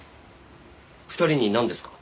２人になんですか？